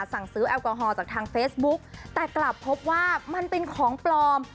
สั่งซื้อแอลกอฮอลจากทางเฟซบุ๊กแต่กลับพบว่ามันเป็นของปลอม